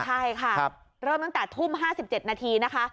ใช่ค่ะเริ่มตั้งแต่ทุ่มห้าสิบเจ็ดนาทีนะคะ